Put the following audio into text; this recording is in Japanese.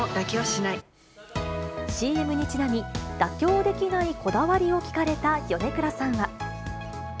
ＣＭにちなみ、妥協できないこだわりを聞かれた米倉さんは。